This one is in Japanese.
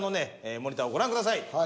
モニターをご覧ください。